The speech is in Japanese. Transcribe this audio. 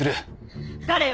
誰よ！